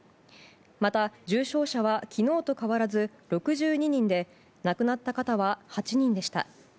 また、重症者は昨日と変わらず６２人で亡くなった方は８人でした。